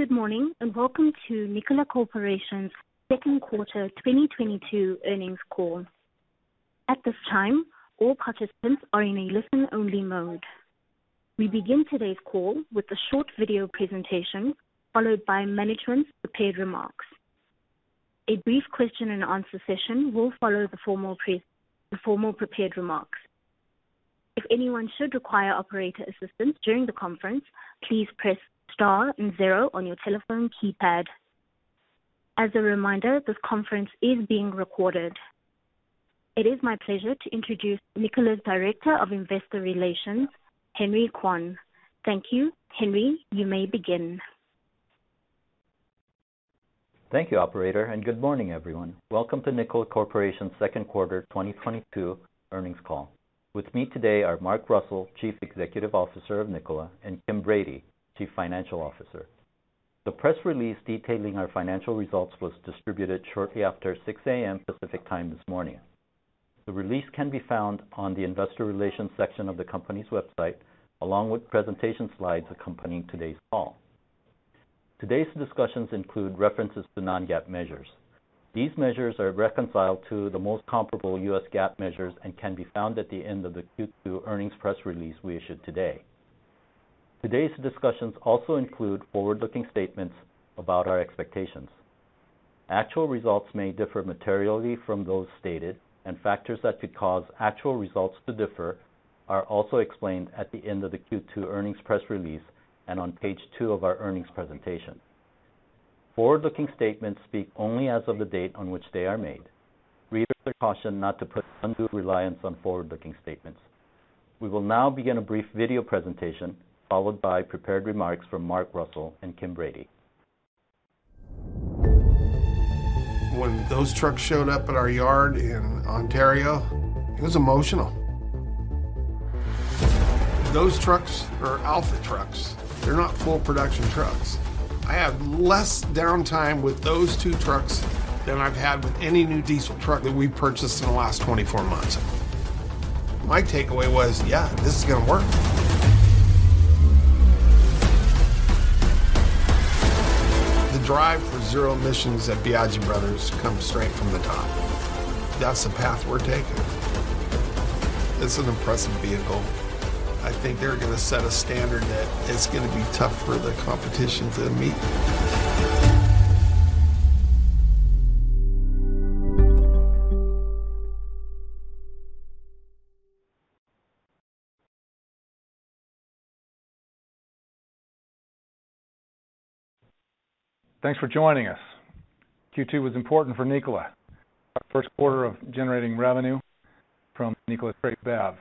Good morning, and welcome to Nikola Corporation's second quarter 2022 earnings call. At this time, all participants are in a listen-only mode. We begin today's call with a short video presentation, followed by management's prepared remarks. A brief question and answer session will follow the formal prepared remarks. If anyone should require operator assistance during the conference, please press star and zero on your telephone keypad. As a reminder, this conference is being recorded. It is my pleasure to introduce Nikola's Director of Investor Relations, Henry Kwon. Thank you. Henry, you may begin. Thank you, operator, and good morning, everyone. Welcome to Nikola Corporation's second quarter 2022 earnings call. With me today are Mark Russell, Chief Executive Officer of Nikola, and Kim Brady, Chief Financial Officer. The press release detailing our financial results was distributed shortly after 6:00 A.M. Pacific Time this morning. The release can be found on the investor relations section of the company's website, along with presentation slides accompanying today's call. Today's discussions include references to non-GAAP measures. These measures are reconciled to the most comparable U.S. GAAP measures and can be found at the end of the Q2 earnings press release we issued today. Today's discussions also include forward-looking statements about our expectations. Actual results may differ materially from those stated, and factors that could cause actual results to differ are also explained at the end of the Q2 earnings press release and on page two of our earnings presentation. Forward-looking statements speak only as of the date on which they are made. Readers are cautioned not to put undue reliance on forward-looking statements. We will now begin a brief video presentation, followed by prepared remarks from Mark Russell and Kim Brady. When those trucks showed up at our yard in Ontario, it was emotional. Those trucks are alpha trucks. They're not full production trucks. I had less downtime with those two trucks than I've had with any new diesel truck that we've purchased in the last 24 months. My takeaway was, "Yeah, this is gonna work." The drive for zero emissions at Biagi Bros. comes straight from the top. That's the path we're taking. It's an impressive vehicle. I think they're gonna set a standard that is gonna be tough for the competition to meet. Thanks for joining us. Q2 was important for Nikola, our first quarter of generating revenue from Nikola's Tre BEV.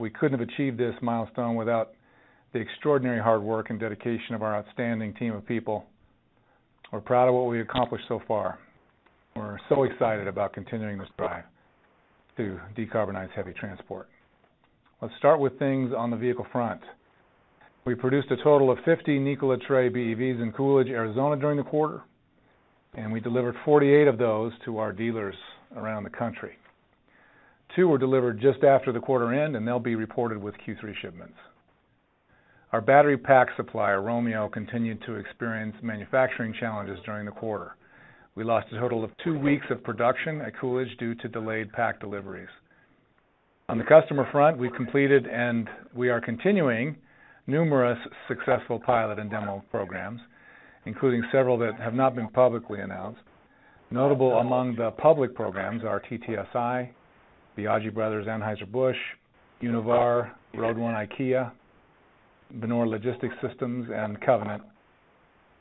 We couldn't have achieved this milestone without the extraordinary hard work and dedication of our outstanding team of people. We're proud of what we've accomplished so far. We're so excited about continuing this drive to decarbonize heavy transport. Let's start with things on the vehicle front. We produced a total of 50 Nikola Tre BEVs in Coolidge, Arizona during the quarter, and we delivered 48 of those to our dealers around the country. Two were delivered just after the quarter end, and they'll be reported with Q3 shipments. Our battery pack supplier, Romeo, continued to experience manufacturing challenges during the quarter. We lost a total of two weeks of production at Coolidge due to delayed pack deliveries. On the customer front, we completed and we are continuing numerous successful pilot and demo programs, including several that have not been publicly announced. Notable among the public programs are TTSI, Biagi Bros. Anheuser-Busch, Univar Solutions, RoadOne IntermodaLogistics IKEA, Benore Logistic Systems, and Covenant Logistics Group,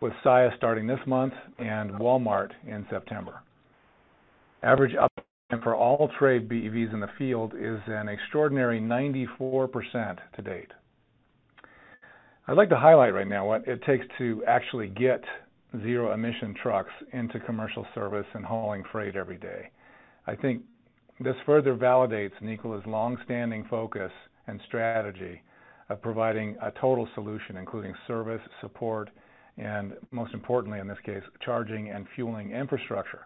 with Saia starting this month and Walmart in September. Average uptime for all Tre BEVs in the field is an extraordinary 94% to date. I'd like to highlight right now what it takes to actually get zero-emission trucks into commercial service and hauling freight every day. I think this further validates Nikola's long-standing focus and strategy of providing a total solution, including service, support, and most importantly in this case, charging and fueling infrastructure.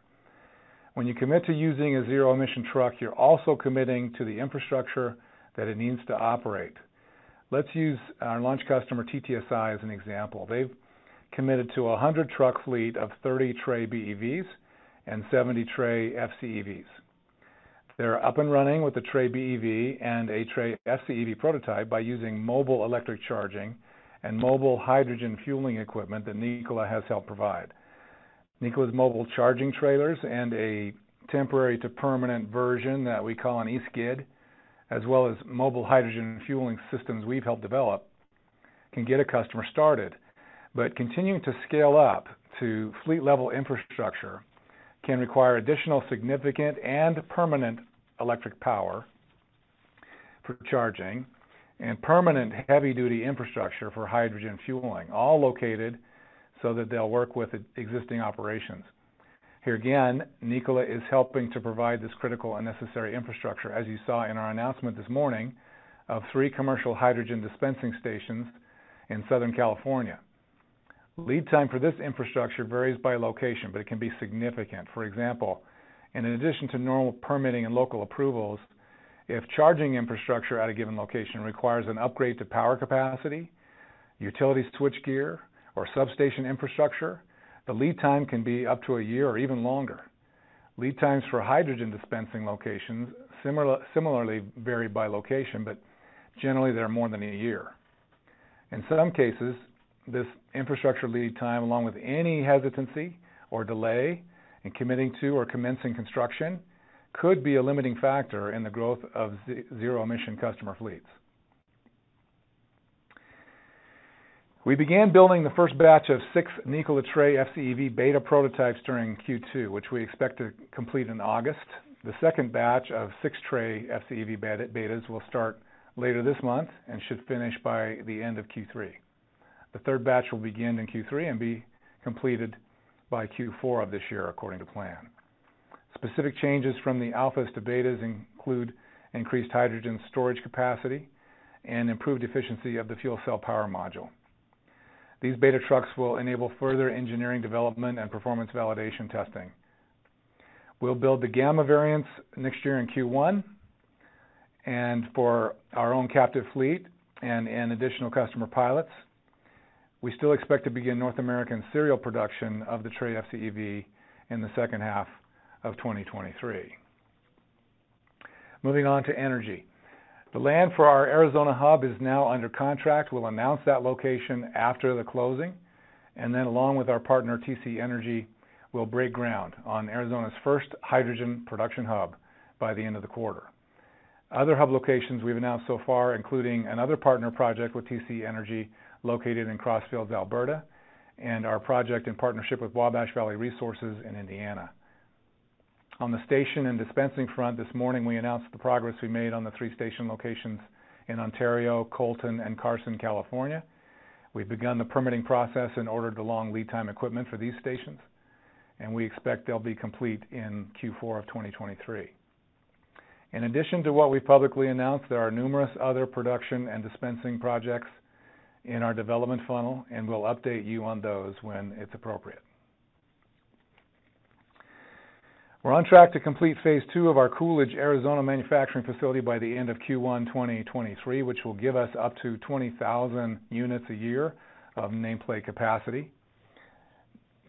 When you commit to using a zero-emission truck, you're also committing to the infrastructure that it needs to operate. Let's use our launch customer TTSI as an example. They've committed to a 100-truck fleet of 30 Tre BEVs and 70 Tre FCEVs. They're up and running with the Tre BEV and a Tre FCEV prototype by using mobile electric charging and mobile hydrogen fueling equipment that Nikola has helped provide. Nikola's mobile charging trailers and a temporary to permanent version that we call an eSkid, as well as mobile hydrogen fueling systems we've helped develop, can get a customer started. Continuing to scale up to fleet-level infrastructure can require additional significant and permanent electric power for charging and permanent heavy-duty infrastructure for hydrogen fueling, all located so that they'll work with existing operations. Here again, Nikola is helping to provide this critical and necessary infrastructure, as you saw in our announcement this morning of three commercial hydrogen dispensing stations in Southern California. Lead time for this infrastructure varies by location, but it can be significant. For example, in addition to normal permitting and local approvals, if charging infrastructure at a given location requires an upgrade to power capacity, utility switchgear, or substation infrastructure, the lead time can be up to a year or even longer. Lead times for hydrogen dispensing locations similarly vary by location, but generally they are more than a year. In some cases, this infrastructure lead time, along with any hesitancy or delay in committing to or commencing construction, could be a limiting factor in the growth of zero emission customer fleets. We began building the first batch of six Nikola Tre FCEV beta prototypes during Q2, which we expect to complete in August. The second batch of six Tre FCEV betas will start later this month and should finish by the end of Q3. The third batch will begin in Q3 and be completed by Q4 of this year according to plan. Specific changes from the alphas to betas include increased hydrogen storage capacity and improved efficiency of the fuel cell power module. These beta trucks will enable further engineering development and performance validation testing. We'll build the gamma variants next year in Q1, and for our own captive fleet and additional customer pilots. We still expect to begin North American serial production of the Tre FCEV in the second half of 2023. Moving on to energy. The land for our Arizona hub is now under contract. We'll announce that location after the closing, and then, along with our partner, TC Energy, we'll break ground on Arizona's first hydrogen production hub by the end of the quarter. Other hub locations we've announced so far, including another partner project with TC Energy located in Crossfield, Alberta, and our project in partnership with Wabash Valley Resources in Indiana. On the station and dispensing front this morning, we announced the progress we made on the three station locations in Ontario, Colton, and Carson, California. We've begun the permitting process and ordered the long lead time equipment for these stations, and we expect they'll be complete in Q4 of 2023. In addition to what we publicly announced, there are numerous other production and dispensing projects in our development funnel, and we'll update you on those when it's appropriate. We're on track to complete phase two of our Coolidge, Arizona manufacturing facility by the end of Q1 2023, which will give us up to 20,000 units a year of nameplate capacity.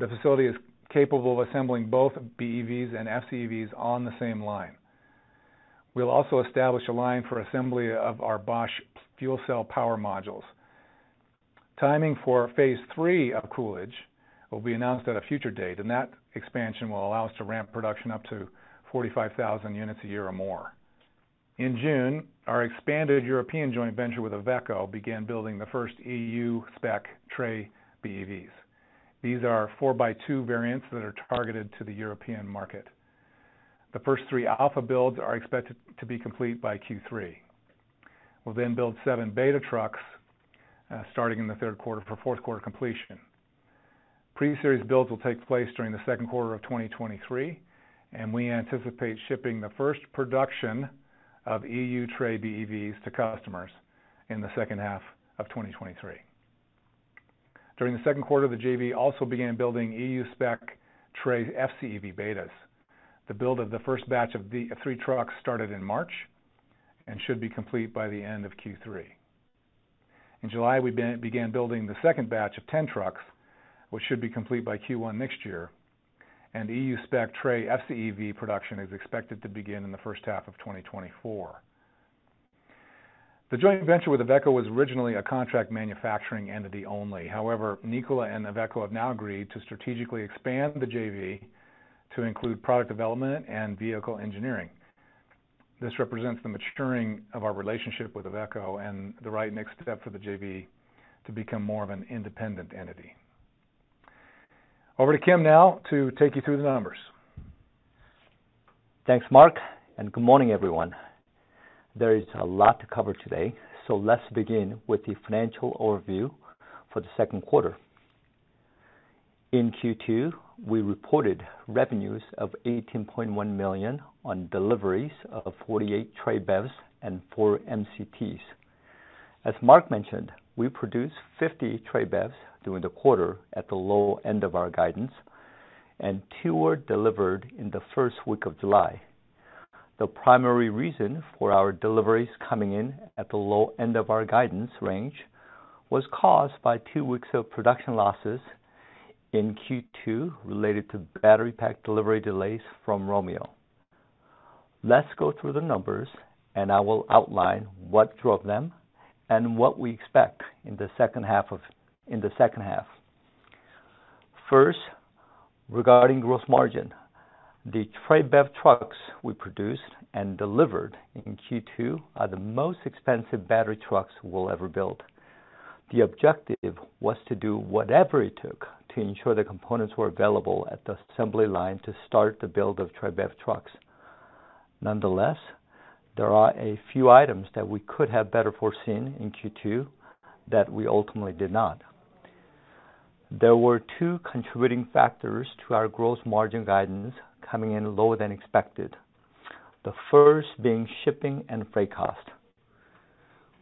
The facility is capable of assembling both BEVs and FCEVs on the same line. We'll also establish a line for assembly of our Bosch fuel cell power modules. Timing for phase three of Coolidge will be announced at a future date, and that expansion will allow us to ramp production up to 45,000 units a year or more. In June, our expanded European joint venture with Iveco began building the first EU-spec Tre BEVs. These are four by two variants that are targeted to the European market. The first three alpha builds are expected to be complete by Q3. We'll then build seven beta trucks, starting in the third quarter for fourth quarter completion. Pre-series builds will take place during the second quarter of 2023, and we anticipate shipping the first production of EU Tre BEVs to customers in the second half of 2023. During the second quarter, the JV also began building EU-spec Tre FCEV betas. The build of the first batch of the three trucks started in March and should be complete by the end of Q3. In July, we began building the second batch of 10 trucks, which should be complete by Q1 next year, and EU-spec Tre FCEV production is expected to begin in the first half of 2024. The joint venture with Iveco was originally a contract manufacturing entity only. However, Nikola and Iveco have now agreed to strategically expand the JV to include product development and vehicle engineering. This represents the maturing of our relationship with Iveco and the right next step for the JV to become more of an independent entity. Over to Kim now to take you through the numbers. Thanks, Mark, and good morning, everyone. There is a lot to cover today, so let's begin with the financial overview for the second quarter. In Q2, we reported revenues of $18.1 million on deliveries of 48 Tre BEVs and 4 MCTs. As Mark mentioned, we produced 50 Tre BEVs during the quarter at the low end of our guidance, and two were delivered in the first week of July. The primary reason for our deliveries coming in at the low end of our guidance range was caused by two weeks of production losses in Q2 related to battery pack delivery delays from Romeo Power. Let's go through the numbers, and I will outline what drove them and what we expect in the second half. First, regarding gross margin. The Tre BEV trucks we produced and delivered in Q2 are the most expensive battery trucks we'll ever build. The objective was to do whatever it took to ensure the components were available at the assembly line to start the build of Tre BEV trucks. Nonetheless, there are a few items that we could have better foreseen in Q2 that we ultimately did not. There were two contributing factors to our gross margin guidance coming in lower than expected. The first being shipping and freight cost.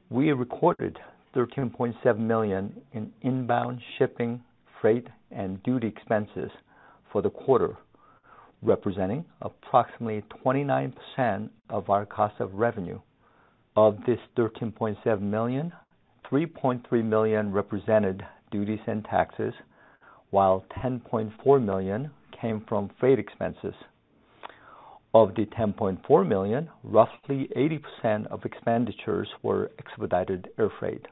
We have recorded $13.7 million in inbound shipping, freight, and duty expenses for the quarter, representing approximately 29% of our cost of revenue. Of this $13.7 million, $3.3 million represented duties and taxes, while $10.4 million came from freight expenses. Of the $10.4 million, roughly 80% of expenditures were expedited air freight.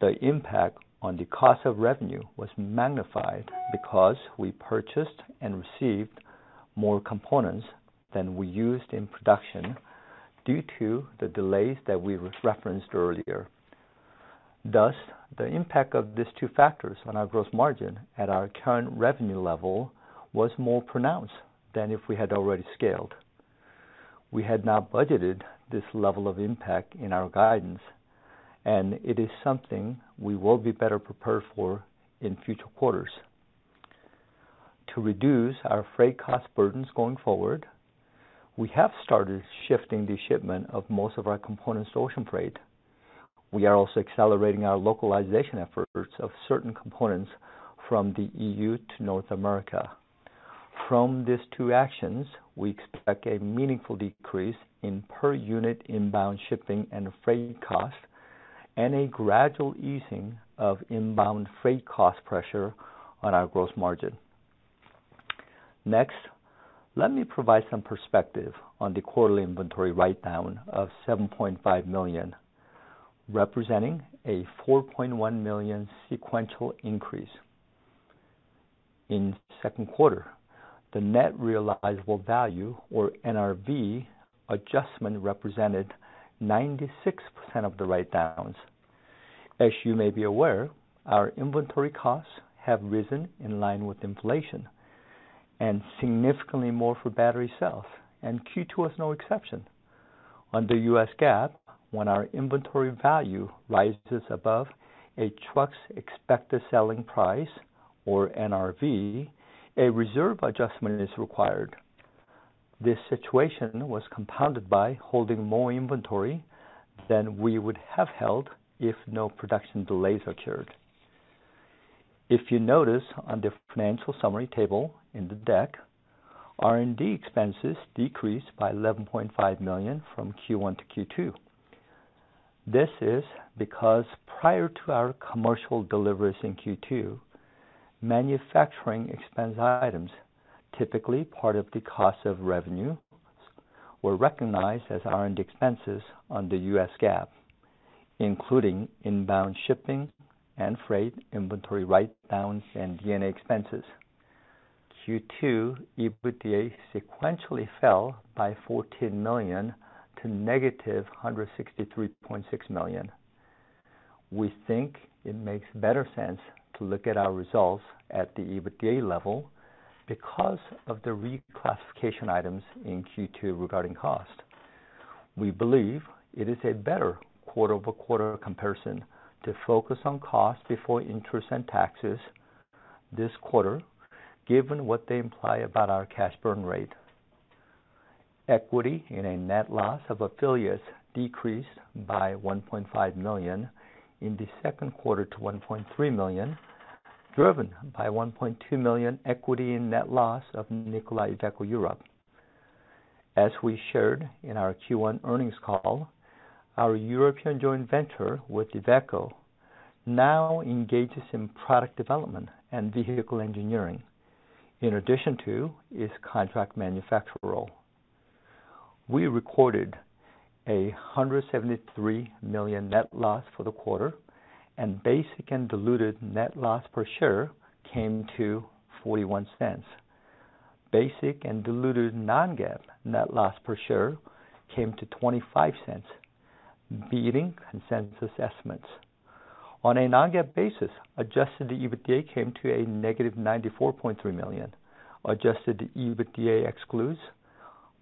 The impact on the cost of revenue was magnified because we purchased and received more components than we used in production due to the delays that we referenced earlier. Thus, the impact of these two factors on our gross margin at our current revenue level was more pronounced than if we had already scaled. We had not budgeted this level of impact in our guidance, and it is something we will be better prepared for in future quarters. To reduce our freight cost burdens going forward, we have started shifting the shipment of most of our components to ocean freight. We are also accelerating our localization efforts of certain components from the EU to North America. From these two actions, we expect a meaningful decrease in per-unit inbound shipping and freight costs and a gradual easing of inbound freight cost pressure on our gross margin. Next, let me provide some perspective on the quarterly inventory write-down of $7.5 million, representing a $4.1 million sequential increase. In second quarter, the net realizable value, or NRV, adjustment represented 96% of the write-downs. As you may be aware, our inventory costs have risen in line with inflation and significantly more for battery cells, and Q2 was no exception. Under U.S. GAAP, when our inventory value rises above a truck's expected selling price or NRV, a reserve adjustment is required. This situation was compounded by holding more inventory than we would have held if no production delays occurred. If you notice on the financial summary table in the deck, R&D expenses decreased by $11.5 million from Q1 to Q2. This is because prior to our commercial deliveries in Q2, manufacturing expense items, typically part of the cost of revenue, were recognized as R&D expenses under U.S. GAAP, including inbound shipping and freight, inventory write-downs, and D&A expenses. Q2 EBITDA sequentially fell by $14 million to -$163.6 million. We think it makes better sense to look at our results at the EBITDA level because of the reclassification items in Q2 regarding cost. We believe it is a better quarter-over-quarter comparison to focus on cost before interest and taxes this quarter, given what they imply about our cash burn rate. Equity in a net loss of affiliates decreased by $1.5 million in the second quarter to $1.3 million, driven by $1.2 million equity in net loss of Nikola Iveco Europe. As we shared in our Q1 earnings call, our European joint venture with Iveco now engages in product development and vehicle engineering in addition to its contract manufacturer role. We recorded $173 million net loss for the quarter, and basic and diluted net loss per share came to $0.41. Basic and diluted non-GAAP net loss per share came to $0.25, beating consensus estimates. On a non-GAAP basis, adjusted EBITDA came to -$94.3 million. Adjusted EBITDA excludes,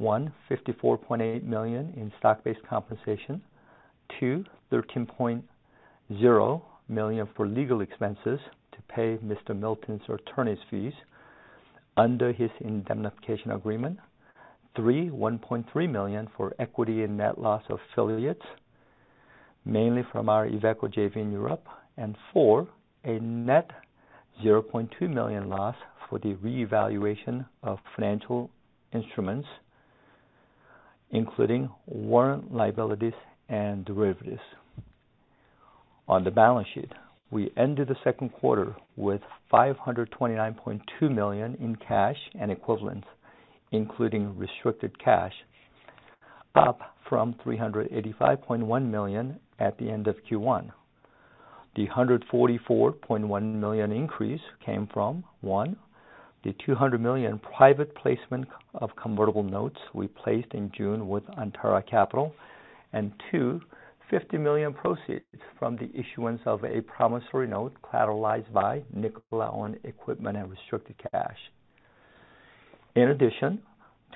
one, $54.8 million in stock-based compensation. Two, $13.0 million for legal expenses to pay Mr. Milton's attorney's fees under his indemnification agreement. Three, $1.3 million for equity and net loss of affiliates, mainly from our Iveco JV in Europe. Four, a net $0.2 million loss for the reevaluation of financial instruments, including warrant liabilities and derivatives. On the balance sheet, we ended the second quarter with $529.2 million in cash and equivalents, including restricted cash, up from $385.1 million at the end of Q1. The $144.1 million increase came from, one, the $200 million private placement of convertible notes we placed in June with Antara Capital. Two, $50 million proceeds from the issuance of a promissory note collateralized by Nikola-owned equipment and restricted cash. In addition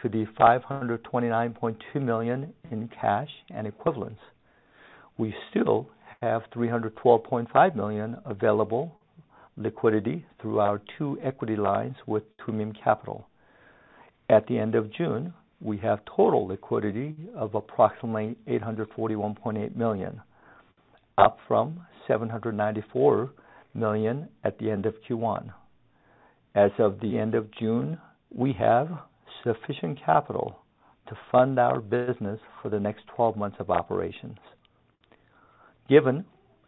to the $529.2 million in cash and equivalents, we still have $312.5 million available liquidity through our two equity lines with Tumim Stone Capital. At the end of June, we have total liquidity of approximately $841.8 million, up from $794 million at the end of Q1. As of the end of June, we have sufficient capital to fund our business for the next 12 months of operations. Given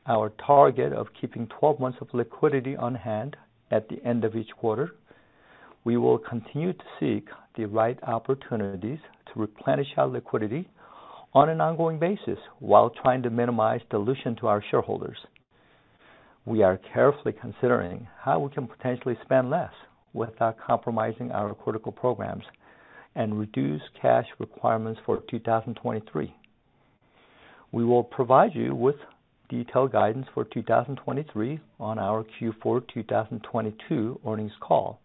our target of keeping 12 months of liquidity on hand at the end of each quarter, we will continue to seek the right opportunities to replenish our liquidity on an ongoing basis while trying to minimize dilution to our shareholders. We are carefully considering how we can potentially spend less without compromising our critical programs and reduce cash requirements for 2023. We will provide you with detailed guidance for 2023 on our Q4 2022 earnings call.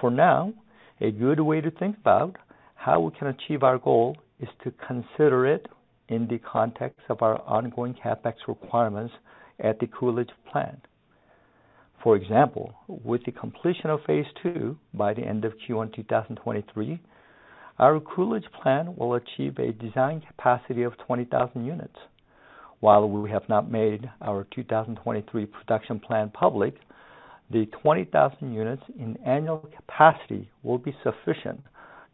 For now, a good way to think about how we can achieve our goal is to consider it in the context of our ongoing CapEx requirements at the Coolidge plant. For example, with the completion of phase two by the end of Q1 2023, our Coolidge plant will achieve a design capacity of 20,000 units. While we have not made our 2023 production plan public, the 20,000 units in annual capacity will be sufficient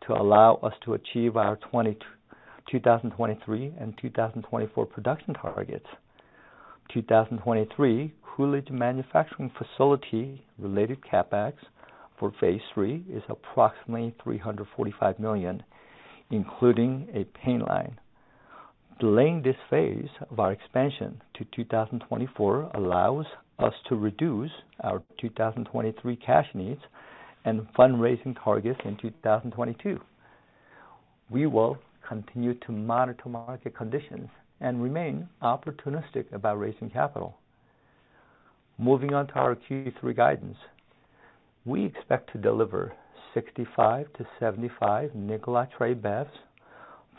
to allow us to achieve our 2023 and 2024 production targets. 2023 Coolidge manufacturing facility-related CapEx for phase three is approximately $345 million, including a paint line. Delaying this phase of our expansion to 2024 allows us to reduce our 2023 cash needs and fundraising targets in 2022. We will continue to monitor market conditions and remain opportunistic about raising capital. Moving on to our Q3 guidance. We expect to deliver 65-75 Nikola Tre BEVs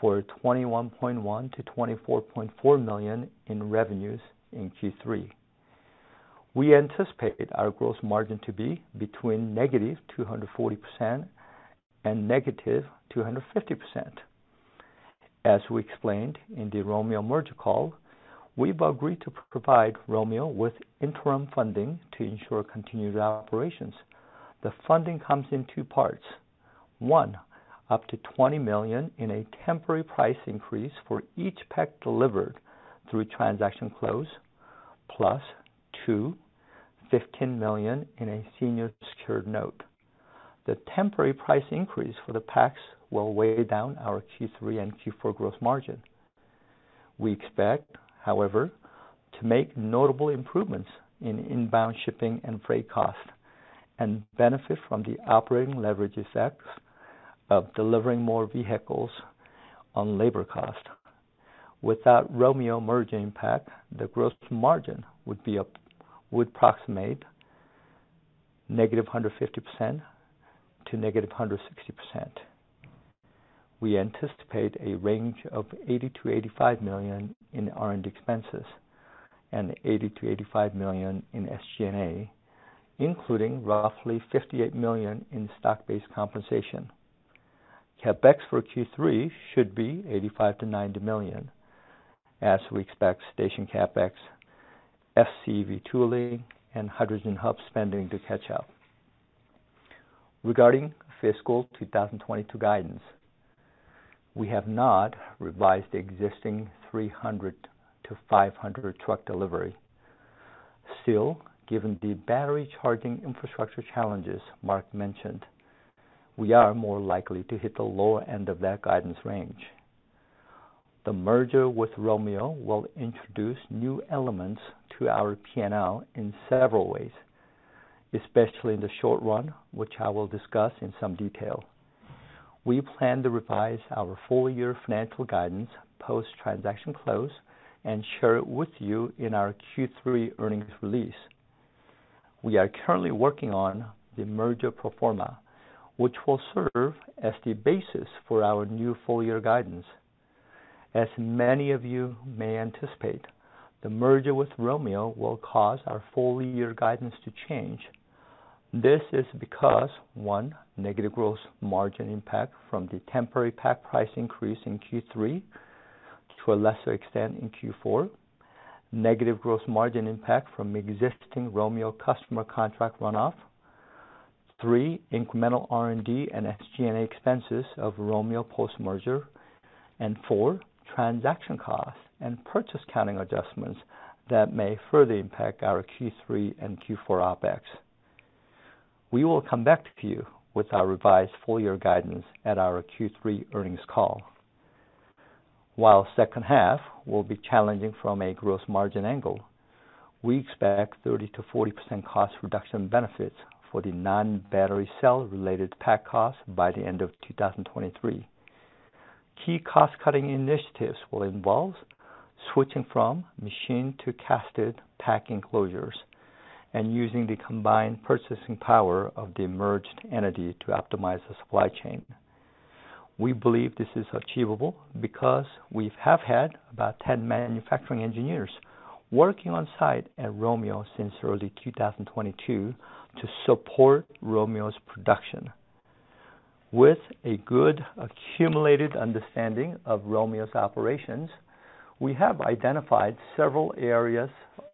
for $21.1 million-$24.4 million in revenues in Q3. We anticipate our gross margin to be between -240% and -250%. As we explained in the Romeo merger call, we've agreed to provide Romeo with interim funding to ensure continued operations. The funding comes in two parts. One, up to $20 million in a temporary price increase for each pack delivered through transaction close, plus two, $15 million in a senior secured note. The temporary price increase for the packs will weigh down our Q3 and Q4 gross margin. We expect, however, to make notable improvements in inbound shipping and freight costs, and benefit from the operating leverage effects of delivering more vehicles on labor cost. Without Romeo merger impact, the gross margin would approximate -150% to -160%. We anticipate a range of $80 million-$85 million in R&D expenses and $80 million-$85 million in SG&A, including roughly $58 million in stock-based compensation. CapEx for Q3 should be $85 million-$90 million, as we expect station CapEx, FCEV tooling, and hydrogen hub spending to catch up. Regarding fiscal 2022 guidance, we have not revised the existing 300-500 truck delivery. Still, given the battery charging infrastructure challenges Mark mentioned, we are more likely to hit the lower end of that guidance range. The merger with Romeo will introduce new elements to our P&L in several ways, especially in the short run, which I will discuss in some detail. We plan to revise our full-year financial guidance post-transaction close and share it with you in our Q3 earnings release. We are currently working on the merger pro forma, which will serve as the basis for our new full-year guidance. As many of you may anticipate, the merger with Romeo will cause our full-year guidance to change. This is because, one, negative gross margin impact from the temporary pack price increase in Q3 to a lesser extent in Q4. Negative gross margin impact from existing Romeo customer contract run-off. Three, incremental R&D and SG&A expenses of Romeo post-merger. Four, transaction costs and purchase accounting adjustments that may further impact our Q3 and Q4 OpEx. We will come back to you with our revised full-year guidance at our Q3 earnings call. While second half will be challenging from a gross margin angle, we expect 30%-40% cost reduction benefits for the non-battery cell-related pack costs by the end of 2023. Key cost-cutting initiatives will involve switching from machine to casted pack enclosures and using the combined purchasing power of the merged entity to optimize the supply chain. We believe this is achievable because we have had about 10 manufacturing engineers working on site at Romeo since early 2022 to support Romeo's production. With a good accumulated understanding of Romeo's operations, we have identified several areas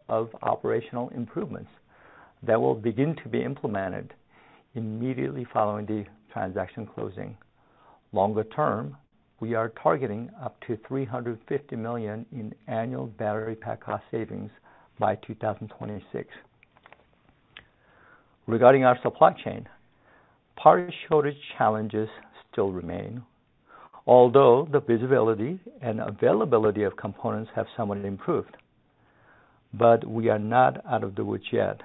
of operational improvements that will begin to be implemented immediately following the transaction closing. Longer term, we are targeting up to $350 million in annual battery pack cost savings by 2026. Regarding our supply chain, parts shortage challenges still remain, although the visibility and availability of components have somewhat improved. We are not out of the woods yet.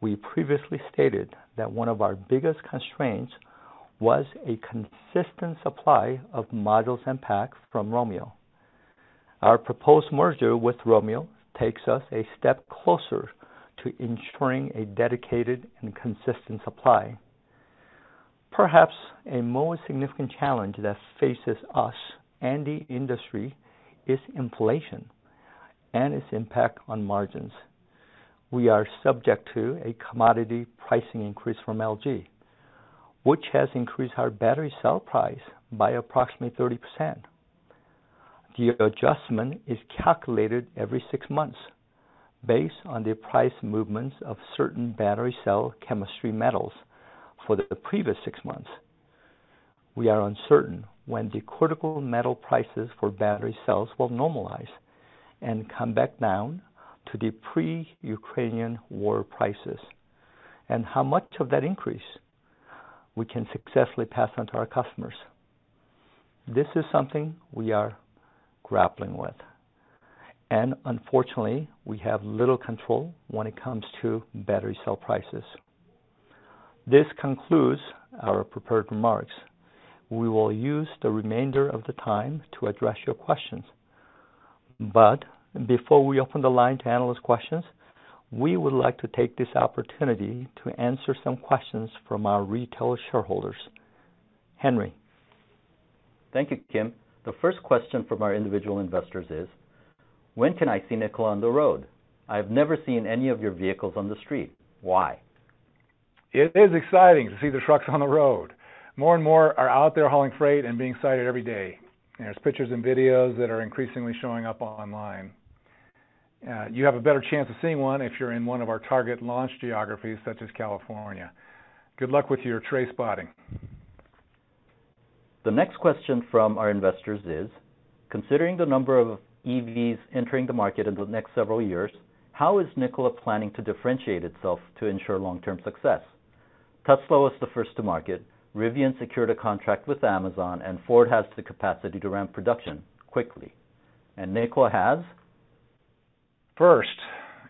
We previously stated that one of our biggest constraints was a consistent supply of modules and packs from Romeo. Our proposed merger with Romeo takes us a step closer to ensuring a dedicated and consistent supply. Perhaps a more significant challenge that faces us and the industry is inflation and its impact on margins. We are subject to a commodity pricing increase from LG, which has increased our battery cell price by approximately 30%. The adjustment is calculated every six months based on the price movements of certain battery cell chemistry metals for the previous six months. We are uncertain when the critical metal prices for battery cells will normalize and come back down to the pre-Ukrainian war prices and how much of that increase we can successfully pass on to our customers. This is something we are grappling with, and unfortunately, we have little control when it comes to battery cell prices. This concludes our prepared remarks. We will use the remainder of the time to address your questions. Before we open the line to analyst questions, we would like to take this opportunity to answer some questions from our retail shareholders. Henry? Thank you, Kim. The first question from our individual investors is, when can I see Nikola on the road? I've never seen any of your vehicles on the street. Why? It is exciting to see the trucks on the road. More and more are out there hauling freight and being sighted every day. There's pictures and videos that are increasingly showing up online. You have a better chance of seeing one if you're in one of our target launch geographies, such as California. Good luck with your Tre spotting. The next question from our investors is, considering the number of EVs entering the market in the next several years, how is Nikola planning to differentiate itself to ensure long-term success? Tesla was the first to market, Rivian secured a contract with Amazon, and Ford has the capacity to ramp production quickly. Nikola has? First,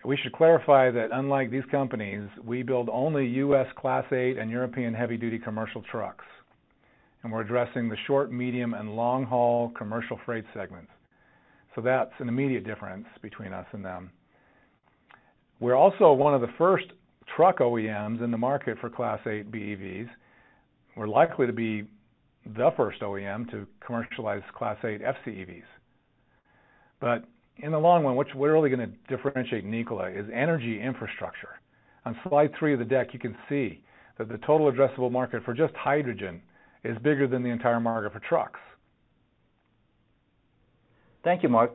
we should clarify that unlike these companies, we build only U.S. Class 8 and European heavy-duty commercial trucks, and we're addressing the short, medium, and long-haul commercial freight segments. That's an immediate difference between us and them. We're also one of the first truck OEMs in the market for Class 8 BEVs. We're likely to be the first OEM to commercialize Class 8 FCEVs. In the long run, what's really gonna differentiate Nikola is energy infrastructure. On slide three of the deck, you can see that the total addressable market for just hydrogen is bigger than the entire market for trucks. Thank you, Mark.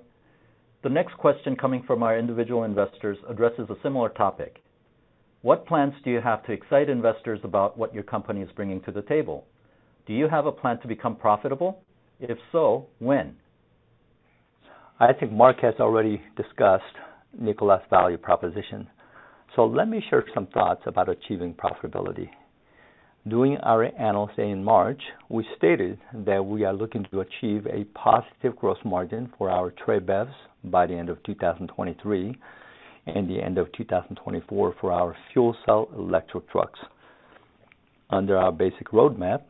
The next question coming from our individual investors addresses a similar topic. What plans do you have to excite investors about what your company is bringing to the table? Do you have a plan to become profitable? If so, when? I think Mark has already discussed Nikola's value proposition, so let me share some thoughts about achieving profitability. During our Analyst Day in March, we stated that we are looking to achieve a positive gross margin for our Tre BEVs by the end of 2023, and the end of 2024 for our fuel cell electric trucks. Under our basic roadmap,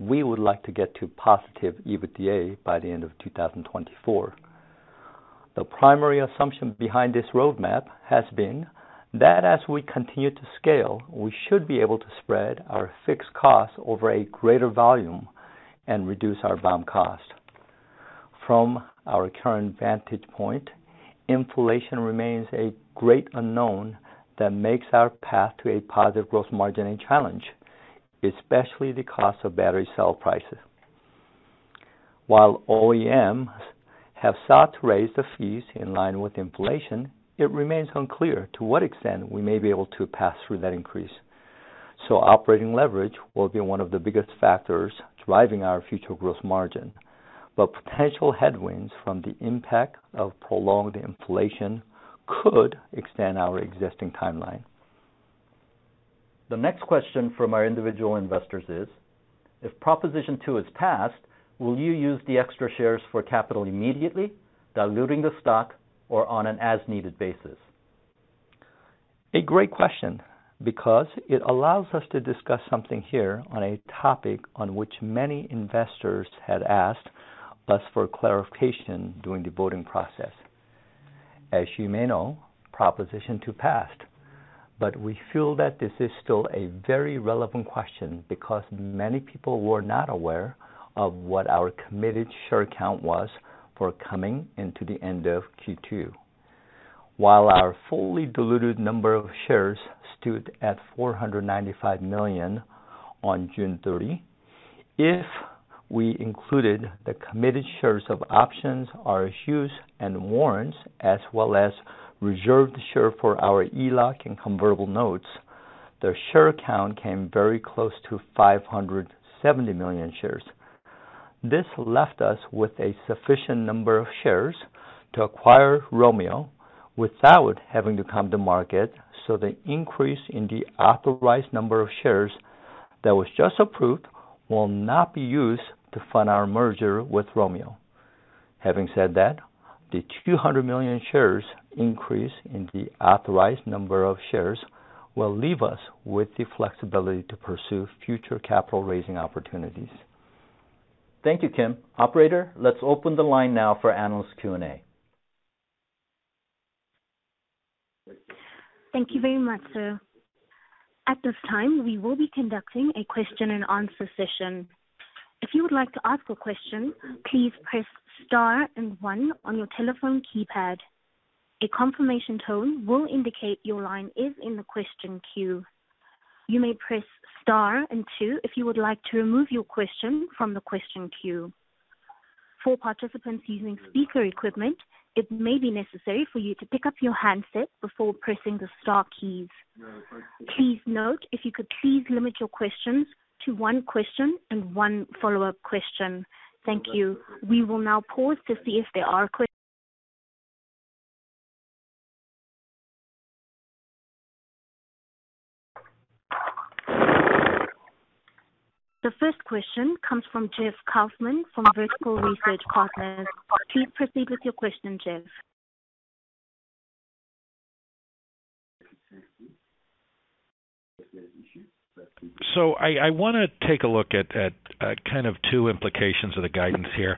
we would like to get to positive EBITDA by the end of 2024. The primary assumption behind this roadmap has been that as we continue to scale, we should be able to spread our fixed costs over a greater volume and reduce our BOM cost. From our current vantage point, inflation remains a great unknown that makes our path to a positive gross margin a challenge, especially the cost of battery cell prices. While OEMs have sought to raise the fees in line with inflation, it remains unclear to what extent we may be able to pass through that increase. Operating leverage will be one of the biggest factors driving our future growth margin. Potential headwinds from the impact of prolonged inflation could extend our existing timeline. The next question from our individual investors is, if Proposal 2 is passed, will you use the extra shares for capital immediately, diluting the stock, or on an as-needed basis? A great question because it allows us to discuss something here on a topic on which many investors had asked us for clarification during the voting process. As you may know, Proposal 2 passed. We feel that this is still a very relevant question because many people were not aware of what our committed share count was for coming into the end of Q2. While our fully diluted number of shares stood at 495 million on June 30, if we included the committed shares of options, RSUs and warrants, as well as reserved share for our ELOC and convertible notes, the share count came very close to 570 million shares. This left us with a sufficient number of shares to acquire Romeo without having to come to market, so the increase in the authorized number of shares that was just approved will not be used to fund our merger with Romeo. Having said that, the 200 million shares increase in the authorized number of shares will leave us with the flexibility to pursue future capital raising opportunities. Thank you, Kim. Operator, let's open the line now for analyst Q&A. Thank you very much, sir. At this time, we will be conducting a question and answer session. If you would like to ask a question, please press star and one on your telephone keypad. A confirmation tone will indicate your line is in the question queue. You may press star and two if you would like to remove your question from the question queue. For participants using speaker equipment, it may be necessary for you to pick up your handset before pressing the star keys. Please note if you could please limit your questions to one question and one follow-up question. Thank you. We will now pause to see if there are. The first question comes from Jeff Kauffman from Vertical Research Partners. Please proceed with your question, Jeff. I wanna take a look at kind of two implications of the guidance here.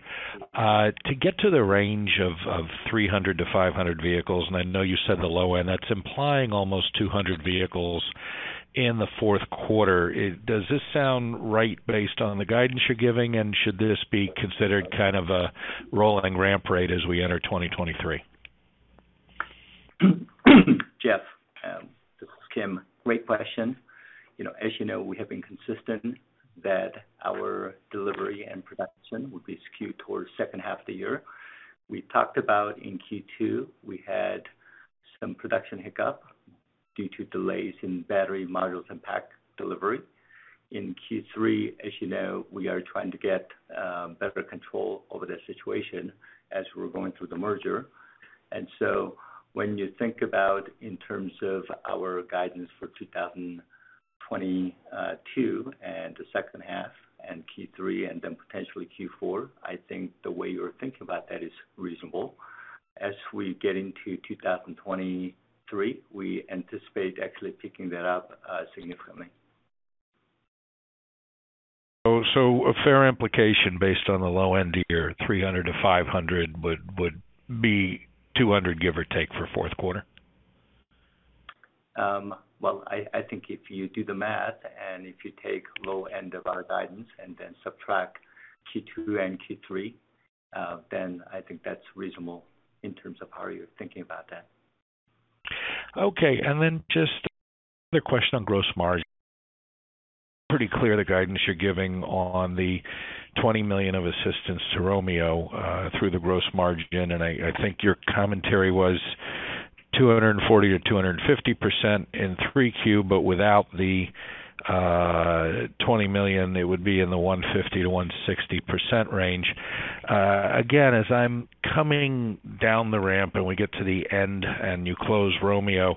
To get to the range of 300-500 vehicles, and I know you said the low end, that's implying almost 200 vehicles in the fourth quarter. Does this sound right based on the guidance you're giving? Should this be considered kind of a rolling ramp rate as we enter 2023? Jeff, this is Kim. Great question. You know, as you know, we have been consistent that our delivery and production will be skewed towards second half of the year. We talked about in Q2, we had some production hiccup due to delays in battery modules and pack delivery. In Q3, as you know, we are trying to get better control over the situation as we're going through the merger. When you think about in terms of our guidance for 2022 and the second half and Q3 and then potentially Q4, I think the way you're thinking about that is reasonable. As we get into 2023, we anticipate actually picking that up significantly. A fair implication based on the low end of your 300-500 would be 200, give or take, for fourth quarter? Well, I think if you do the math and if you take low end of our guidance and then subtract Q2 and Q3, then I think that's reasonable in terms of how you're thinking about that. Okay. Just another question on gross margin. Pretty clear the guidance you're giving on the $20 million of assistance to Romeo through the gross margin. I think your commentary was 240%-250% in 3Q, but without the $20 million, they would be in the 150%-160% range. Again, as I'm coming down the ramp and we get to the end and you close Romeo,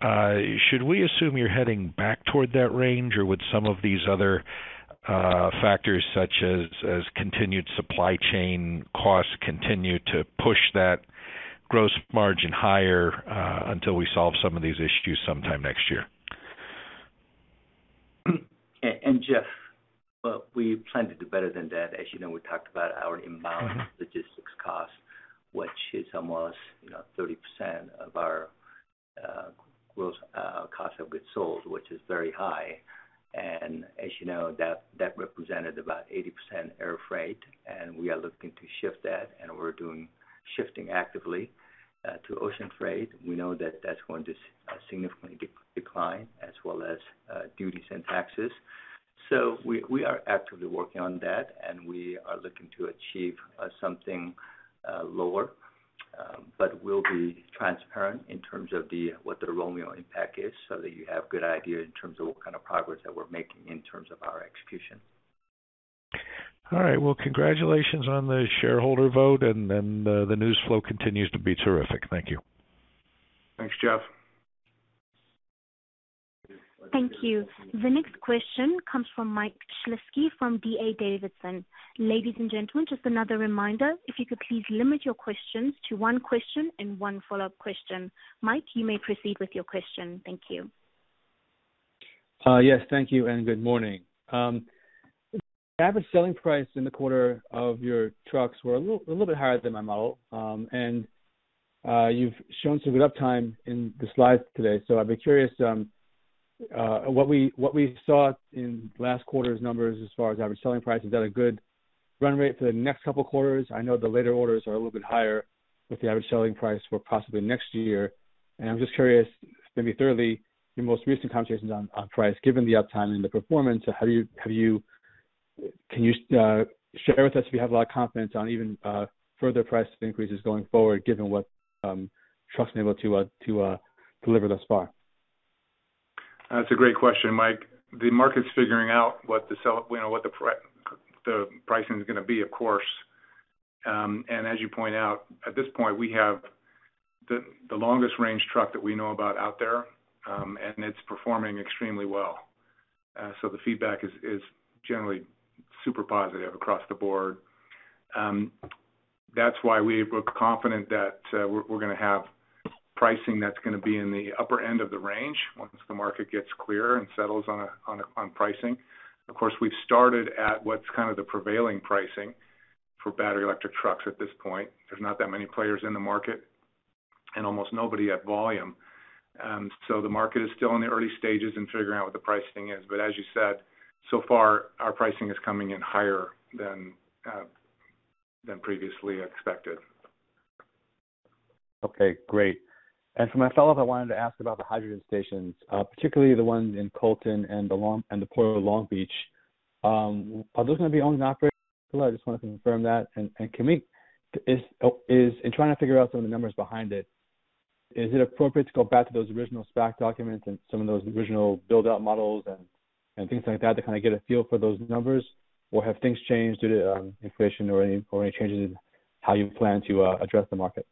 should we assume you're heading back toward that range? Or would some of these other factors such as continued supply chain costs continue to push that gross margin higher until we solve some of these issues sometime next year? Jeff, well, we plan to do better than that. As you know, we talked about our inbound logistics cost, which is almost, you know, 30% of our gross cost of goods sold, which is very high. As you know, that represented about 80% air freight, and we are looking to shift that, and we're doing shifting actively to ocean freight. We know that that's going to significantly decline as well as duties and taxes. We are actively working on that, and we are looking to achieve something lower. We'll be transparent in terms of what the Romeo impact is so that you have good idea in terms of what kind of progress that we're making in terms of our execution. All right. Well, congratulations on the shareholder vote, and then, the news flow continues to be terrific. Thank you. Thanks, Jeff. Thank you. The next question comes from Mike Shlisky from D.A. Davidson. Ladies and gentlemen, just another reminder, if you could please limit your questions to one question and one follow-up question. Mike, you may proceed with your question. Thank you. Yes, thank you and good morning. Average selling price in the quarter of your trucks were a little bit higher than my model. You've shown some good uptime in the slides today, so I'd be curious what we saw in last quarter's numbers as far as average selling price. Is that a good run rate for the next couple quarters? I know the later orders are a little bit higher with the average selling price for possibly next year. I'm just curious, maybe thirdly, your most recent conversations on price, given the uptime and the performance, can you share with us if you have a lot of confidence on even further price increases going forward given what trucks are able to deliver thus far? That's a great question, Mike. The market's figuring out what the pricing is gonna be, of course, you know. As you point out, at this point, we have the longest range truck that we know about out there, and it's performing extremely well. The feedback is generally super positive across the board. That's why we're confident that we're gonna have pricing that's gonna be in the upper end of the range once the market gets clearer and settles on pricing. Of course, we've started at what's kind of the prevailing pricing for battery electric trucks at this point. There's not that many players in the market and almost nobody at volume. The market is still in the early stages in figuring out what the pricing is. As you said, so far our pricing is coming in higher than previously expected. Okay, great. For my follow-up, I wanted to ask about the hydrogen stations, particularly the ones in Colton and the Port of Long Beach. Are those gonna be owned and operated? I just wanted to confirm that. In trying to figure out some of the numbers behind it, is it appropriate to go back to those original SPAC documents and some of those original build-out models and things like that to kind of get a feel for those numbers? Or have things changed due to inflation or any changes in how you plan to address the market?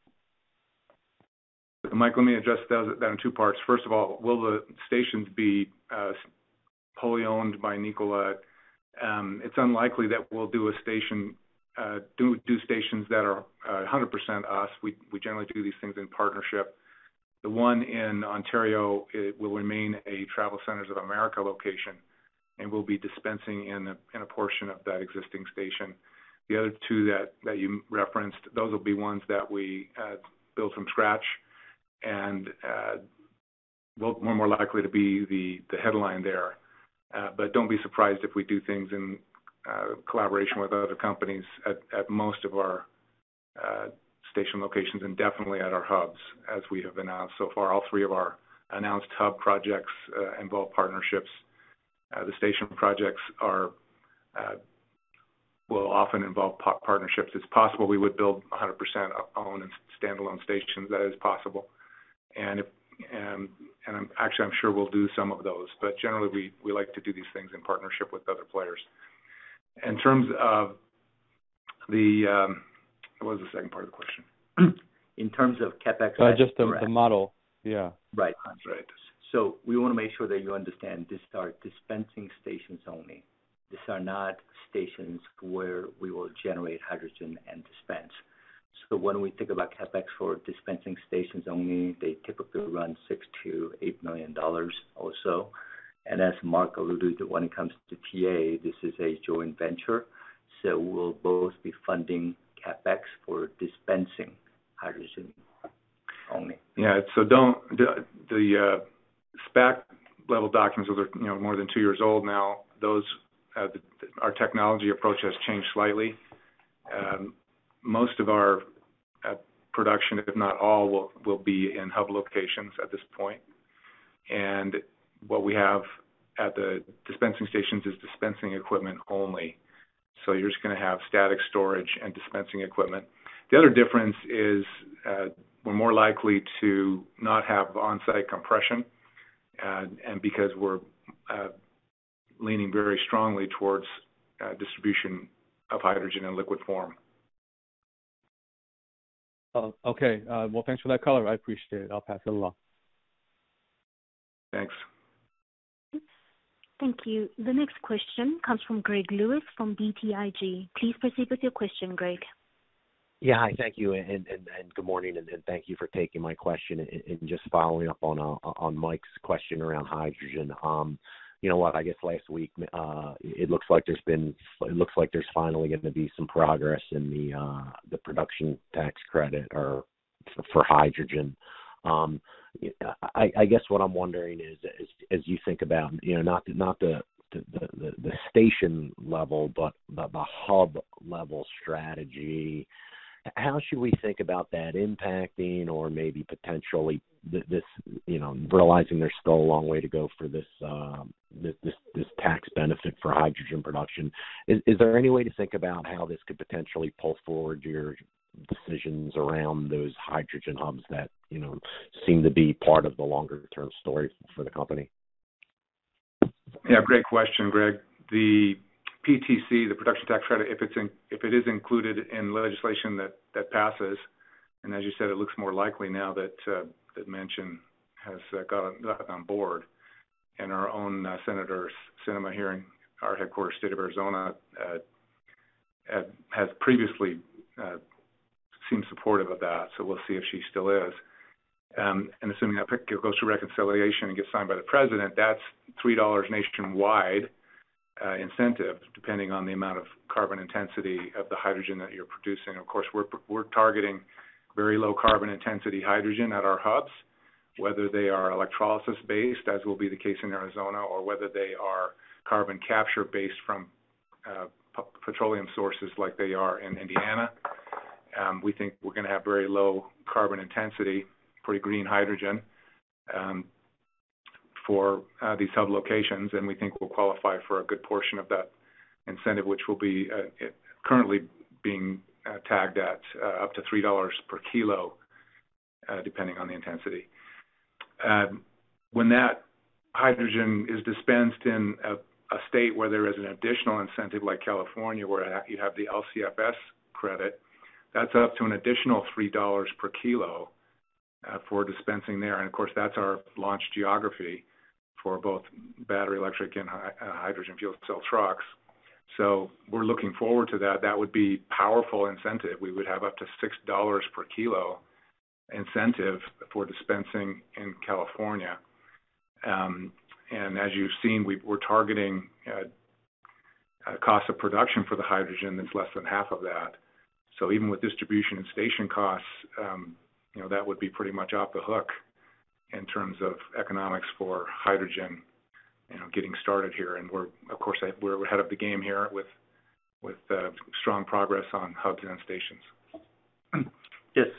Mike, let me address those in two parts. First of all, will the stations be fully owned by Nikola? It's unlikely that we'll do stations that are 100% us. We generally do these things in partnership. The one in Ontario, it will remain a TravelCenters of America location, and we'll be dispensing in a portion of that existing station. The other two that you mentioned, those will be ones that we build from scratch and we're more likely to be the headline there. Don't be surprised if we do things in collaboration with other companies at most of our station locations and definitely at our hubs, as we have announced so far. All three of our announced hub projects involve partnerships. The station projects will often involve partnerships. It's possible we would build 100% owned and standalone stations. That is possible. Actually I'm sure we'll do some of those. Generally, we like to do these things in partnership with other players. In terms of the, what was the second part of the question? In terms of CapEx. Just the model. Yeah. Right. We wanna make sure that you understand these are dispensing stations only. These are not stations where we will generate hydrogen and dispense. When we think about CapEx for dispensing stations only, they typically run $6 million-$8 million or so. As Mark alluded, when it comes to PA, this is a joint venture, so we'll both be funding CapEx for dispensing hydrogen only. SPAC-level documents are, you know, more than two years old now. Our technology approach has changed slightly. Most of our production, if not all, will be in hub locations at this point. What we have at the dispensing stations is dispensing equipment only. You're just gonna have static storage and dispensing equipment. The other difference is, we're more likely to not have on-site compression, and because we're leaning very strongly towards distribution of hydrogen in liquid form. Oh, okay. Well, thanks for that color. I appreciate it. I'll pass it along. Thanks. Thank you. The next question comes from Gregory Lewis from BTIG. Please proceed with your question, Greg. Yeah. Hi, thank you and good morning, and thank you for taking my question. Just following up on Mike's question around hydrogen. You know what? I guess last week, it looks like there's finally gonna be some progress in the production tax credit for hydrogen. I guess what I'm wondering is as you think about, you know, not the station level, but the hub level strategy, how should we think about that impacting or maybe potentially this, you know, realizing there's still a long way to go for this tax benefit for hydrogen production? Is there any way to think about how this could potentially pull forward your decisions around those hydrogen hubs that, you know, seem to be part of the longer-term story for the company? Yeah, great question, Greg. The PTC, the production tax credit, if it is included in legislation that passes, and as you said, it looks more likely now that Manchin has got on board, and our own Senator Sinema here in our headquarters State of Arizona has previously seemed supportive of that, so we'll see if she still is. Assuming that goes to reconciliation and gets signed by the president, that's $3 nationwide incentive depending on the amount of carbon intensity of the hydrogen that you're producing. Of course, we're targeting very low carbon intensity hydrogen at our hubs, whether they are electrolysis based, as will be the case in Arizona, or whether they are carbon capture based from petroleum sources like they are in Indiana. We think we're gonna have very low carbon intensity for green hydrogen for these hub locations, and we think we'll qualify for a good portion of that incentive, which will be currently being tagged at up to $3 per kilo depending on the intensity. When that hydrogen is dispensed in a state where there is an additional incentive like California, where you have the LCFS credit, that's up to an additional $3 per kilo for dispensing there. Of course, that's our launch geography for both battery electric and hydrogen fuel cell trucks. We're looking forward to that. That would be powerful incentive. We would have up to $6 per kilo incentive for dispensing in California. As you've seen, we're targeting a cost of production for the hydrogen that's less than half of that. Even with distribution and station costs, you know, that would be pretty much off the hook in terms of economics for hydrogen, you know, getting started here. We're of course ahead of the game here with strong progress on hubs and stations. Just,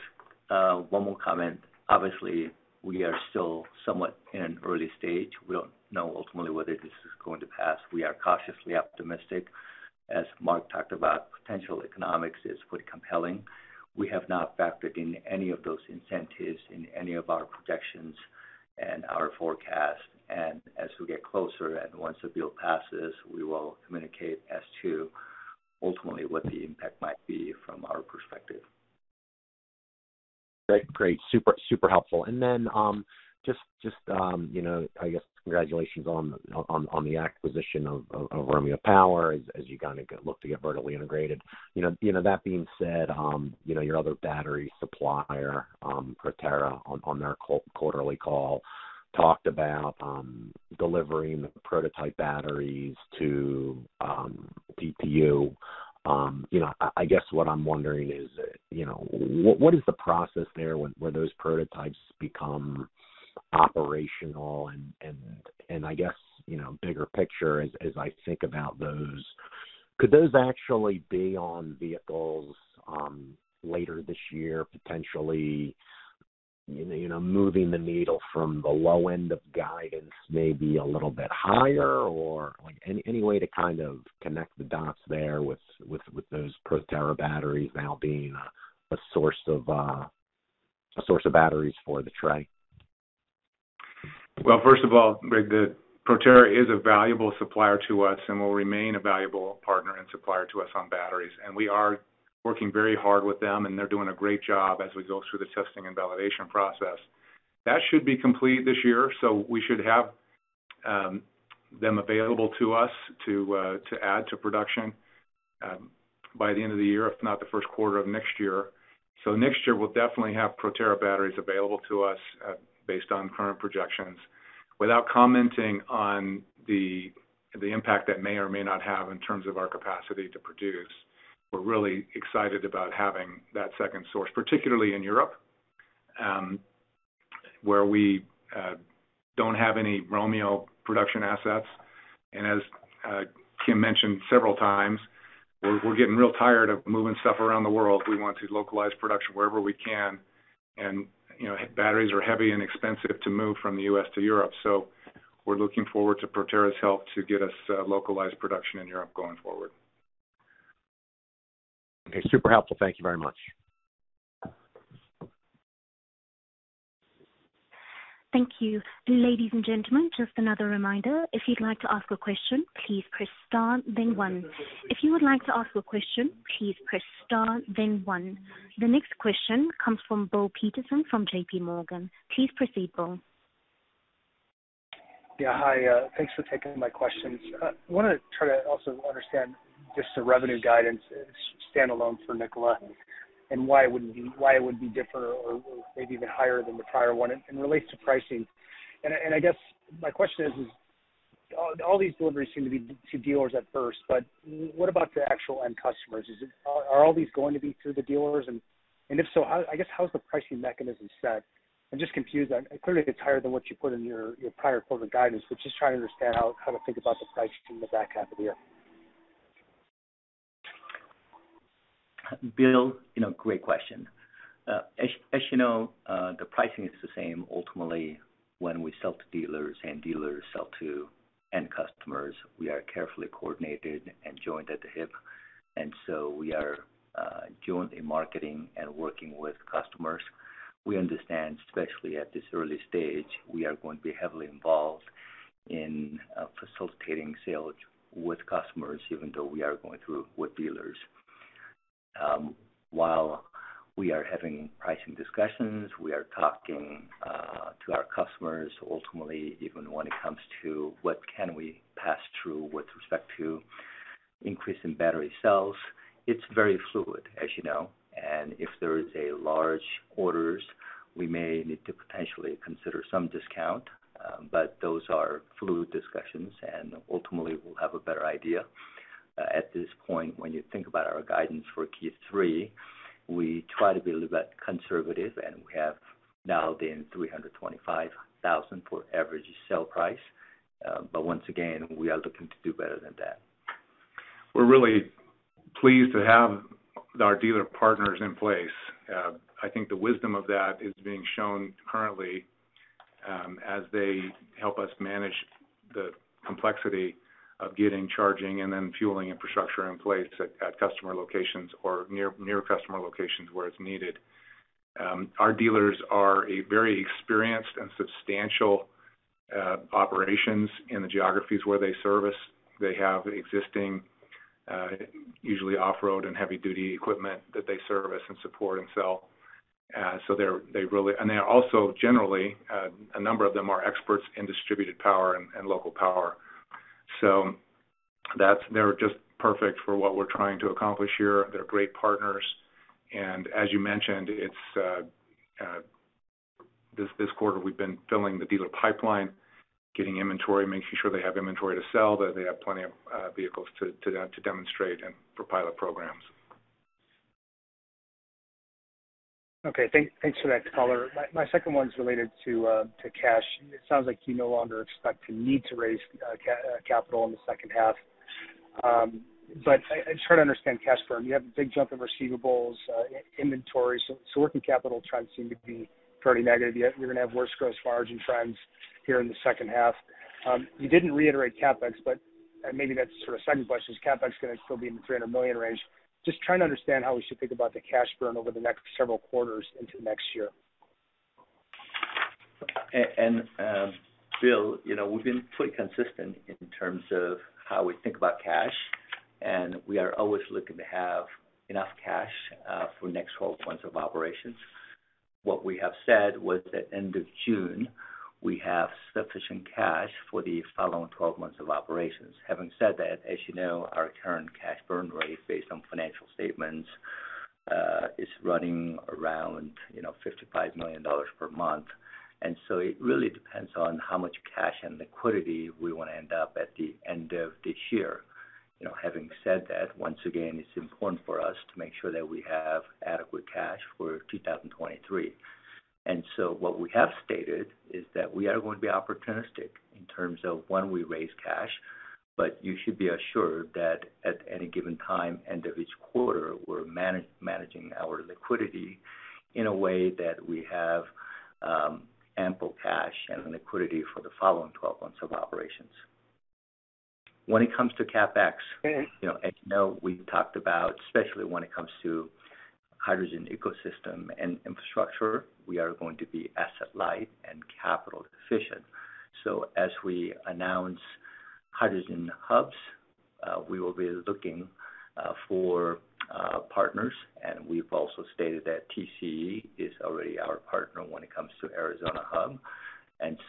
one more comment. Obviously, we are still somewhat in an early stage. We don't know ultimately whether this is going to pass. We are cautiously optimistic. As Mark talked about, potential economics is quite compelling. We have not factored in any of those incentives in any of our projections and our forecast. As we get closer and once the bill passes, we will communicate as to ultimately what the impact might be from our perspective. Great. Super helpful. Just, you know, I guess congratulations on the acquisition of Romeo Power as you kind of look to get vertically integrated. You know, that being said, you know, your other battery supplier, Proterra on their quarterly call, talked about delivering prototype batteries to DPU. You know, I guess what I'm wondering is, you know, what is the process there when those prototypes become operational? I guess, you know, bigger picture as I think about those, could those actually be on vehicles later this year, potentially, you know, moving the needle from the low end of guidance maybe a little bit higher? Like, any way to kind of connect the dots there with those Proterra batteries now being a source of batteries for the Tre? Well, first of all, Rick, the Proterra is a valuable supplier to us and will remain a valuable partner and supplier to us on batteries. We are working very hard with them, and they're doing a great job as we go through the testing and validation process. That should be complete this year, so we should have them available to us to add to production by the end of the year, if not the first quarter of next year. Next year we'll definitely have Proterra batteries available to us based on current projections. Without commenting on the impact that may or may not have in terms of our capacity to produce, we're really excited about having that second source, particularly in Europe, where we don't have any Romeo production assets. As Kim mentioned several times, we're getting real tired of moving stuff around the world. We want to localize production wherever we can. You know, batteries are heavy and expensive to move from the U.S. to Europe. We're looking forward to Proterra's help to get us localized production in Europe going forward. Okay. Super helpful. Thank you very much. Thank you. Ladies and gentlemen, just another reminder. If you'd like to ask a question, please press star then one. If you would like to ask a question, please press star then one. The next question comes from Bill Peterson from JPMorgan. Please proceed, Bill. Yeah. Hi. Thanks for taking my questions. I wanna try to also understand just the revenue guidance standalone for Nikola and why it would be different or maybe even higher than the prior one and relates to pricing. I guess my question is all these deliveries seem to be to dealers at first, but what about the actual end customers? Are all these going to be through the dealers? If so, I guess how is the pricing mechanism set? I'm just confused. Clearly, it's higher than what you put in your prior quarter guidance, but just trying to understand how to think about the pricing in the back half of the year. Bill, you know, great question. As you know, the pricing is the same ultimately when we sell to dealers and dealers sell to end customers. We are carefully coordinated and joined at the hip, and so we are joined in marketing and working with customers. We understand, especially at this early stage, we are going to be heavily involved in facilitating sales with customers even though we are going through with dealers. While we are having pricing discussions, we are talking to our customers ultimately, even when it comes to what we can pass through with respect to increase in battery cells. It's very fluid, as you know, and if there is a large order, we may need to potentially consider some discount. Those are fluid discussions and ultimately we'll have a better idea. At this point, when you think about our guidance for Q3, we try to be a little bit conservative, and we have now been $325,000 for average sale price. Once again, we are looking to do better than that. We're really pleased to have our dealer partners in place. I think the wisdom of that is being shown currently, as they help us manage the complexity of getting charging and then fueling infrastructure in place at customer locations or near customer locations where it's needed. Our dealers are a very experienced and substantial operations in the geographies where they service. They have existing usually off-road and heavy duty equipment that they service and support and sell. So they're. They're also generally, a number of them are experts in distributed power and local power. They're just perfect for what we're trying to accomplish here. They're great partners, and as you mentioned, it's this quarter we've been filling the dealer pipeline, getting inventory, making sure they have inventory to sell, that they have plenty of vehicles to demonstrate and for pilot programs. Okay. Thanks for that color. My second one's related to cash. It sounds like you no longer expect to need to raise capital in the second half. I just try to understand cash burn. You have a big jump in receivables, inventories, so working capital trends seem to be pretty negative. You're gonna have worse gross margin trends here in the second half. You didn't reiterate CapEx, and maybe that's sort of second question, is CapEx gonna still be in the $300 million range? Just trying to understand how we should think about the cash burn over the next several quarters into next year. Bill, you know, we've been pretty consistent in terms of how we think about cash, and we are always looking to have enough cash for next 12 months of operations. What we have said was that end of June, we have sufficient cash for the following 12 months of operations. Having said that, as you know, our current cash burn rate based on financial statements is running around, you know, $55 million per month. So it really depends on how much cash and liquidity we wanna end up at the end of this year. You know, having said that, once again, it's important for us to make sure that we have adequate cash for 2023. What we have stated is that we are going to be opportunistic in terms of when we raise cash, but you should be assured that at any given time, end of each quarter, we're managing our liquidity in a way that we have ample cash and liquidity for the following 12 months of operations. When it comes to CapEx. Okay. You know, as you know, we talked about, especially when it comes to hydrogen ecosystem and infrastructure, we are going to be asset light and capital efficient. As we announce hydrogen hubs, we will be looking for partners, and we've also stated that TC Energy is already our partner when it comes to Arizona Hub.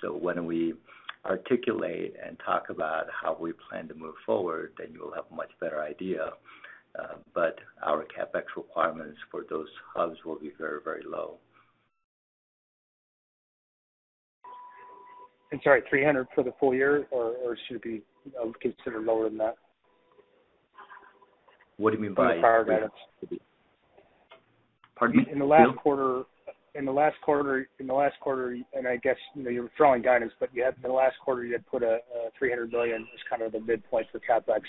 When we articulate and talk about how we plan to move forward, then you'll have a much better idea, but our CapEx requirements for those hubs will be very, very low. Sorry, 300 for the full year or should it be considered lower than that? What do you mean by? In the prior guidance. Pardon me, Bill? In the last quarter, I guess, you know, you're withdrawing guidance, but in the last quarter you had put a $300 million as kind of the midpoint for CapEx.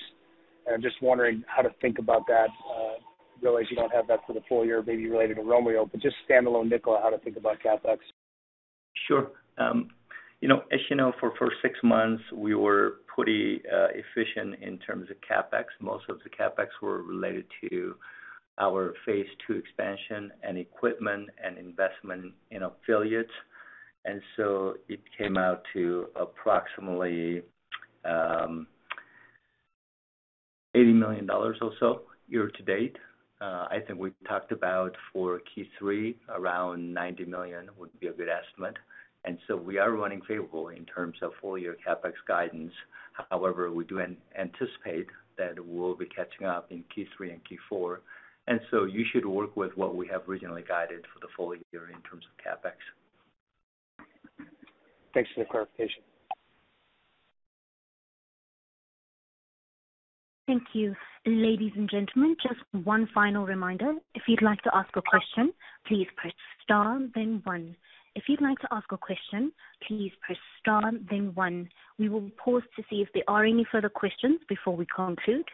I'm just wondering how to think about that. I realize you don't have that for the full year, maybe related to Romeo, but just standalone Nikola, how to think about CapEx. Sure. You know, as you know, for first six months, we were pretty efficient in terms of CapEx. Most of the CapEx were related to our phase two expansion and equipment and investment in affiliates. It came out to approximately $80 million or so year to date. I think we talked about for Q3, around $90 million would be a good estimate. We are running favorable in terms of full year CapEx guidance. However, we do anticipate that we'll be catching up in Q3 and Q4. You should work with what we have originally guided for the full year in terms of CapEx. Thanks for the clarification. Thank you. Ladies and gentlemen, just one final reminder. If you'd like to ask a question, please press star then one. We will pause to see if there are any further questions before we conclude.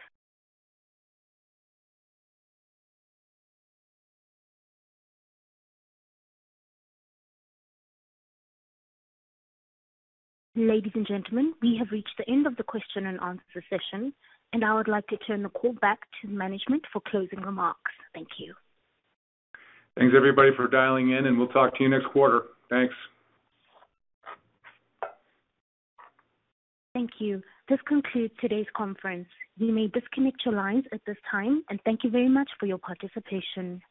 Ladies and gentlemen, we have reached the end of the question and answer session, and I would like to turn the call back to management for closing remarks. Thank you. Thanks everybody for dialing in, and we'll talk to you next quarter. Thanks. Thank you. This concludes today's conference. You may disconnect your lines at this time, and thank you very much for your participation.